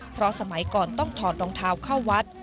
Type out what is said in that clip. เพราะสมัยก่อนต้องถอดรองเท้าเข้าวัด